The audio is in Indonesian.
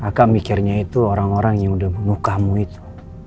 maka mikirnya itu orang orang yang udah bunuh kamu itu